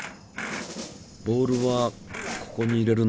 ボールはここに入れるんだ。